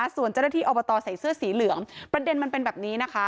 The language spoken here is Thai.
ส่วนเจ้าหน้าที่อบตใส่เสื้อสีเหลืองประเด็นมันเป็นแบบนี้นะคะ